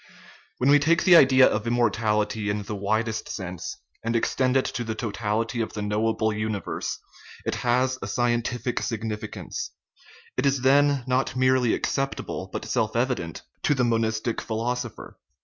When we take the idea of immortality in the widest sense, and extend it to the totality of the knowable uni verse, it has a scientific significance; it is then not merely acceptable, but self evident, to the monistic philosopher.